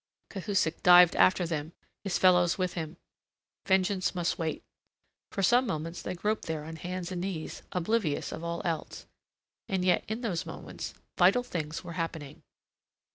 Cahusac dived after them, his fellows with him. Vengeance must wait. For some moments they groped there on hands and knees, oblivious of all else. And yet in those moments vital things were happening.